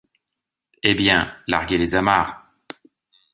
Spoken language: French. Eh bien, larguez les amarres.